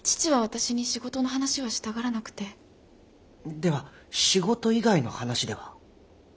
では仕事以外の話では？